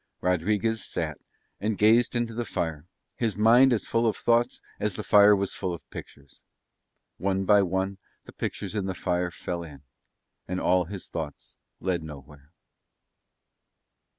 Rodriguez sat and gazed into the fire, his mind as full of thoughts as the fire was full of pictures: one by one the pictures in the fire fell in; and all his thoughts led nowhere.